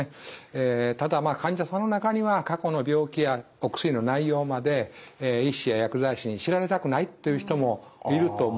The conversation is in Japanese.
ただ患者さんの中には過去の病気やお薬の内容まで医師や薬剤師に知られたくないという人もいると思います。